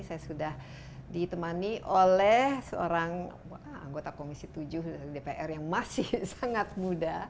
saya sudah ditemani oleh seorang anggota komisi tujuh dpr yang masih sangat muda